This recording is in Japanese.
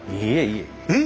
えっ。